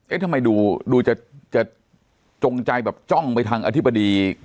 ทำไมดูจะจงใจแบบจ้องไปทางอธิบดี